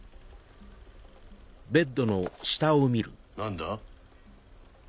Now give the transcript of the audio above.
何だ？